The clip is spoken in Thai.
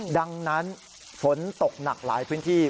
ดังนั้นฝนตกหนักหลายพื้นที่